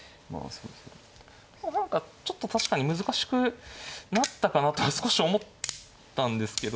何かちょっと確かに難しくなったかなと少し思ったんですけど。